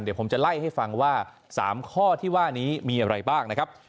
เดี๋ยวผมจะไล่ให้ฟังว่า๓ข้อที่ว่านี้มีอะไรบ้างนะครับ